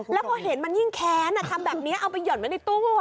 แล้วพอเห็นมันยิ่งแค้นทำแบบนี้เอาไปหย่อนไว้ในตู้